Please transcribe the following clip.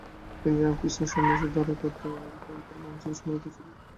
তিনি রামকৃষ্ণের সন্ন্যাসী ধারায় পবিত্র মা হিসাবে সম্মানিত ছিলেন।